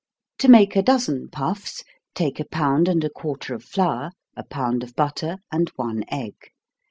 _ To make a dozen puffs, take a pound and a quarter of flour, a pound of butter, and one egg.